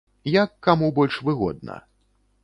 Як каму больш выгодна.